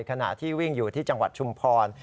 ขณะที่วิ่งอยู่ที่จังหวัดชุมพร